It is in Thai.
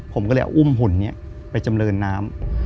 ผมก็เลยอุ้มหุ่นนี้ไปจำเรินน้ำ